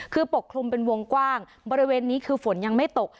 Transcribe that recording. คือปกคลุมเป็นวงกว้างบริเวณนี้คือฝนยังไม่ตก